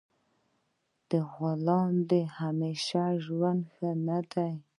د غلام د همیشه ژوند نه ښه دی.